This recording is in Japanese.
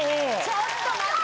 ちょっと待って。